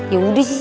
ya udah sih